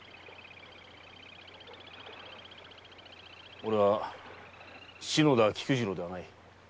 俺は篠田菊次郎ではない。